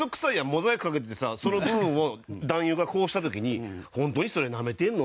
モザイクかけててさその部分を男優がこうした時に本当にそれ舐めてんの？